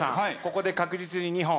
ここで確実に２本。